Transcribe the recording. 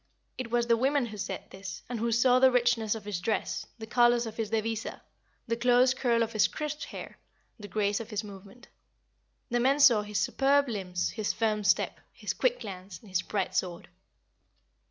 It was the women who said this, and who saw the richness of his dress, the colors of his devisa, the close curl of his crisp hair, the grace of his movement. The men saw his superb limbs, his firm step, his quick glance, his bright sword.